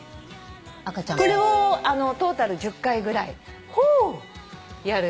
これをトータル１０回ぐらいやるらしいです。